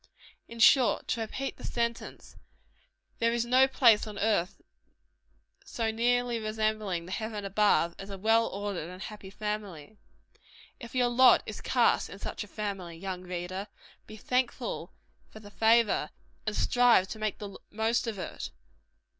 In short to repeat the sentence there is no place on earth so nearly resembling the heaven above, as a well ordered and happy family. If your lot is cast in such a family, young reader, be thankful for the favor, and strive to make the most of it.